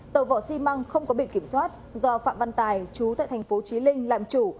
tàu vỏ xi măng không có bị kiểm soát do phạm văn tài chú tại tp chí linh làm chủ